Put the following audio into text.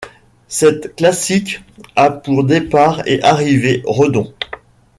Cette classique a pour départ et arrivée Redon.